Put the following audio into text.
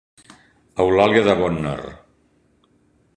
Eulàlia de Bonner.